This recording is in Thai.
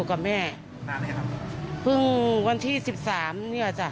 เขาพูดอย่างนี้อ่ะจ๊ะ